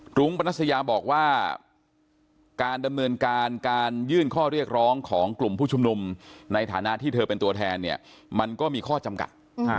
รุ้งปนัสยาบอกว่าการดำเนินการการยื่นข้อเรียกร้องของกลุ่มผู้ชุมนุมในฐานะที่เธอเป็นตัวแทนเนี่ยมันก็มีข้อจำกัด